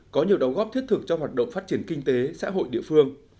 có nhiều đóng góp thiết thực cho hoạt động phát triển kinh tế xã hội địa phương